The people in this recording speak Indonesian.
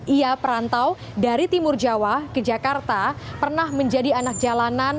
ia perantau dari timur jawa ke jakarta pernah menjadi anak jalanan